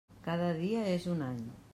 Cada dia és un any.